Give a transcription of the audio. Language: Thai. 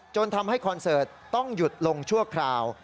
จนทำให้คอนเสิร์ตต้องหยุดลงชั่วคราว